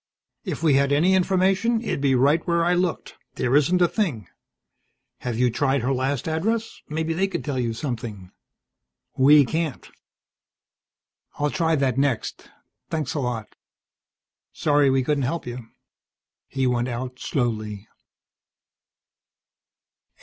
"If we had any information, it'd be right where I looked. There isn't a thing. Have you tried her last address? Maybe they could tell you something. We can't." "I'll try that next. Thanks a lot." "Sorry we couldn't help you." He went out slowly.